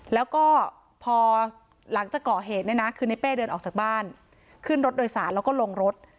แล้วก็พอหลังจากก่อเหตุเนี่ยนะคือในเป้เดินออกจากบ้านขึ้นรถโดยสารแล้วก็ลงรถ